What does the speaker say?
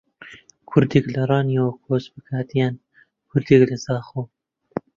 کوردێک لە ڕانیەوە کۆچ بکات یان کوردێک لە زاخۆ